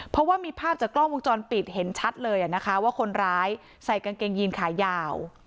เพราะว่ามีภาพจากกล้องวงจรปิดเห็นชัดเลยนะคะว่าคนร้ายใส่กางเกงยีนขายาว